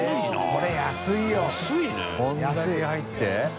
これだけ入って。